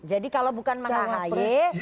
jadi kalau bukan mas ahy